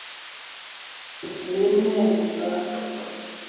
Me lik mina mininga